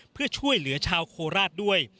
เพื่อช่วยเหลือชาวโคราชด้วย